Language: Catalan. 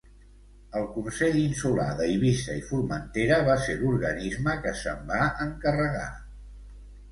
El Consell Insular d'Eivissa i Formentera va ser l'organisme que se'n va encarregar.